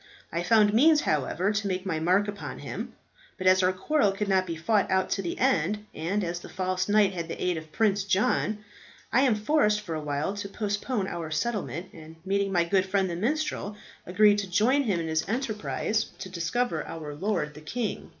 I found means, however, to make my mark upon him; but as our quarrel could not be fought out to the end, and as the false knight had the aid of Prince John, I am forced for a while to postpone our settlement, and meeting my good friend the minstrel, agreed to join him in his enterprise to discover our lord the king."